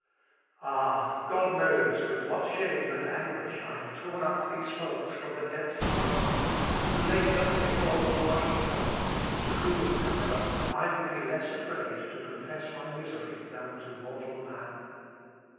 Ah! God knows with what shame and anguish I have torn up these faults from the depths of my heart, and laid them before Almighty God, to whom, however, I would be less afraid to confess my misery than to mortal man."